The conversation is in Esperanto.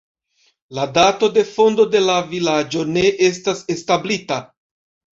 La dato de fondo de la vilaĝo ne estas establita.